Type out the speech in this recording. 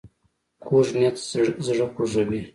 کوږ نیت زړه خوږوي